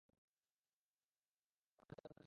এটা রোমে জন্ম নেওয়া শিশুর ঘোষণা।